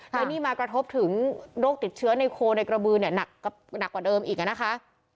และนี่มากระทบถึงโรคติดเชื้อในโคในกระบือเนี่ยหนักกว่าเดิมอีกนะคะ